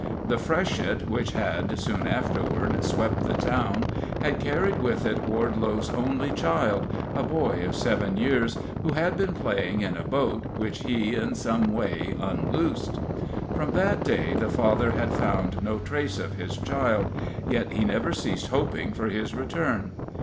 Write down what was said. The freshet which had, soon afterward, swept the town, had carried with it Wardelow's only child, a boy of seven years, who had been playing in a boat which he, in some way, unloosed. From that day the father had found no trace of his child, yet he never ceased hoping for his return.